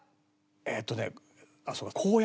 えーっとね。